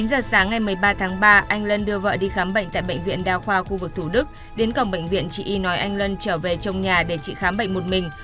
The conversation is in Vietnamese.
chín giờ sáng ngày một mươi ba tháng ba anh lân đưa vợ đi khám bệnh tại bệnh viện đa khoa khu vực thủ đức đến cổng bệnh viện chị y nói anh luân trở về trong nhà để trị khám bệnh một mình